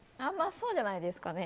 そうじゃないですかね。